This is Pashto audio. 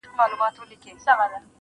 نورې واړه ګېډه ؤرې دي، پړس بنې